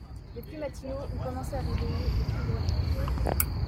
Les plus matinaux ont commencé à réveiller les plus grognons.